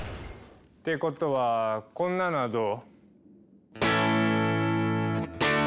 ってことはこんなのはどう？